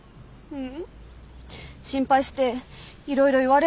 うん。